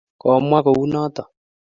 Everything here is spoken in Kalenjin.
komwa kounoto